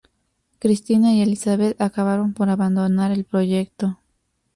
Cristina y Elisabeth acabaron por abandonar el proyecto.